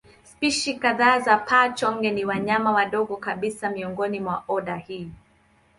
Spishi kadhaa za paa-chonge ni wanyama wadogo kabisa miongoni mwa oda hii.